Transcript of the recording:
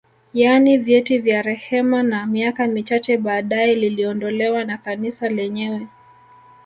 Yaani vyeti vya rehema na miaka michache baadae liliondolewa na Kanisa lenyewe